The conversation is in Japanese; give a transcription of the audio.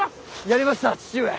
やりました父上！